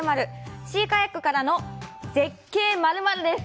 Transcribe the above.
シーカヤックからの絶景○○です。